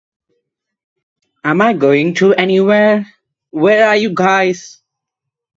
Choteau "Maiasaura" remains are found in higher strata than their Two Medicine River counterparts.